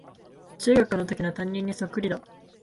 中学のときの担任にそっくりだ